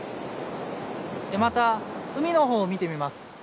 また海のほうを見てみます。